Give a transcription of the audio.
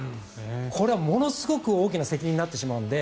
これはものすごく大きな責任になってしまうので。